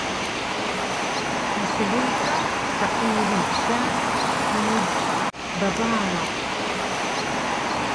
Mslikaw tqiri ka buji bbaraw